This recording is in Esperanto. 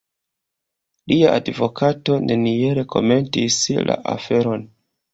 Lia advokato neniel komentis la aferon.